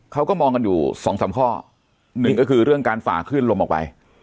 เขาก็มองกันอยู่สองสามข้อหนึ่งก็คือเรื่องการฝ่าคลื่นลมออกไป